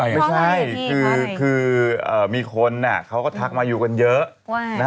ไม่ใช่คือมีคนเขาก็ทักมายูกันเยอะ